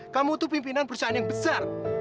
kamu itu pimpinan perusahaan yang besar